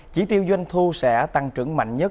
chỉ tiêu doanh thu sẽ tăng trưởng mạnh nhất